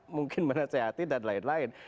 mungkin menasehati dan lain lain